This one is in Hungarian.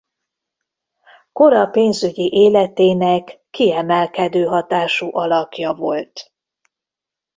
Kora pénzügyi életének kiemelkedő hatású alakja volt.